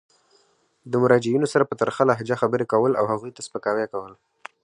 د مراجعینو سره په ترخه لهجه خبري کول او هغوی ته سپکاوی کول.